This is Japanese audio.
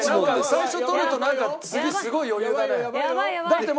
最初取るとなんか次すごい余裕だね。